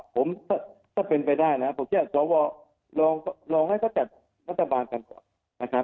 ผมก็เป็นไปได้นะครับผมคิดว่าลองให้เขาจัดรัฐบาลกันก่อน